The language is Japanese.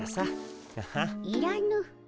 いらぬ。